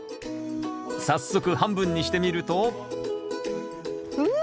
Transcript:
早速半分にしてみるとうわ！